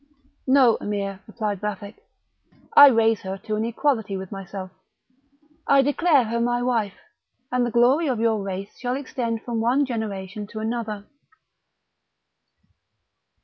"No, Emir," replied Vathek; "I raise her to an equality with myself; I declare her my wife, and the glory of your race shall extend from one generation to another."